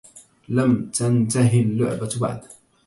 لم تنته اللعبة بعد.